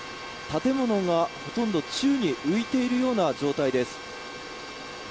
建物がほとんど宙に浮いているような状態です。